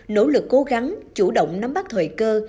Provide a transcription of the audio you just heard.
nỗ lực cố gắng chủ động nắm bắt thời cơ